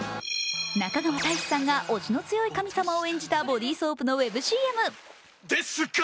中川大志さんが押しの強い神様を演じたボディーソープのウェブＣＭ。